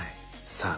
さあ